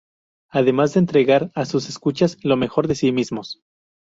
Además de entregar a sus escuchas lo mejor de sí mismos.